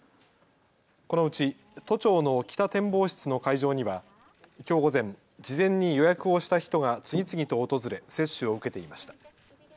このうち都庁の北展望室の会場にはきょう午前、事前に予約をした人が次々と訪れ接種を受けていました。